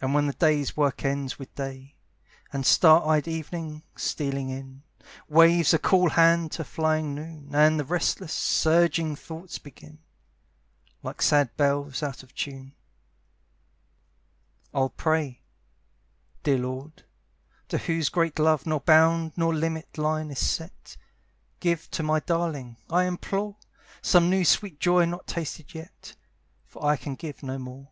And when the day's work ends with day, And star eyed evening, stealing in, Waves a cool hand to flying noon, And restless, surging thoughts begin, Like sad bells out of tune, I'll pray: "Dear Lord, to whose great love Nor bound nor limit line is set, Give to my darling, I implore, Some new sweet joy not tasted yet, For I can give no more."